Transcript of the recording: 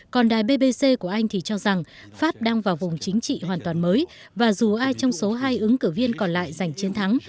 còn đài bbc của anh thì cho rằng pháp đang vào vùng chính trị hoàn toàn mới và dù ai trong số hai ứng cử viên còn lại giành chiến thắng